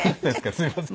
すみません。